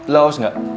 lo haus gak